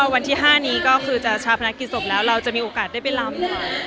วันที่๕นี้ก็คือจะชาวพนักกิจศพแล้วเราจะมีโอกาสได้ไปลำ